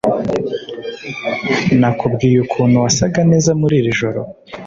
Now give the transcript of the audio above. nakubwiye ukuntu wasaga neza muri iri joro